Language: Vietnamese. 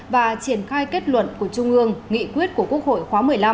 và triển khai kết luận của trung ương nghị quyết của quốc hội khóa một mươi năm